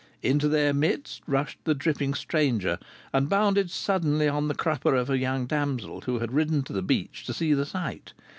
Into their midst rushed the dripping stranger, and bounded suddenly upon the crupper of a young damsel who had ridden to the beach to see the sight.